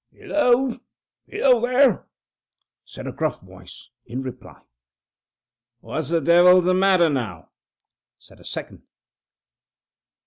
"Hillo! hillo, there!" said a gruff voice, in reply. "What the devil's the matter now!" said a second.